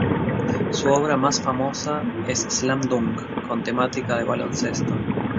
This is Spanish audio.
Su obra más famosa es "Slam Dunk", con temática de baloncesto.